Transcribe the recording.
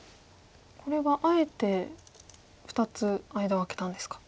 これはあえて２つ間を空けたんですか。